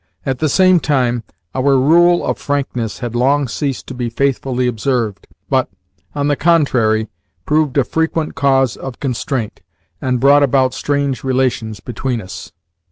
At the same time, our rule of frankness had long ceased to be faithfully observed, but, on the contrary, proved a frequent cause of constraint, and brought about strange relations between us.